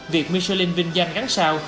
việc michelin vinh danh ngắn sao